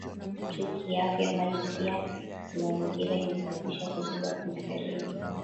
tu kiafya bali pia kimazingira Imesababisha kuziba kwa mifereji